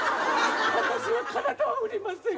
私は体は売りません！